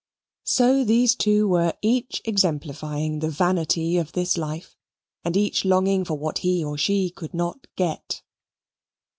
So these two were each exemplifying the Vanity of this life, and each longing for what he or she could not get.